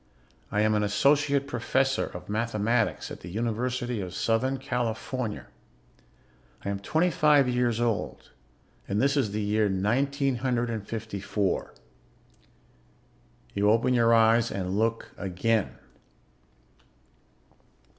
I am an associate professor of mathematics at the University of Southern California. I am twenty five years old, and this is the year nineteen hundred and fifty four._ You open your eyes and look again.